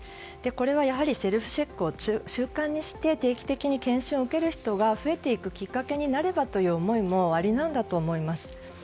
これはセルフチェックを習慣にして定期的に健診を受ける人が増えていくきっかけになればという思いもおありなんだと思います。